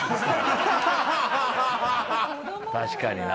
確かにな。